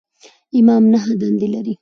امام نهه دندې لري.